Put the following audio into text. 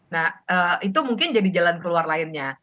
nah itu mungkin jadi jalan keluar lainnya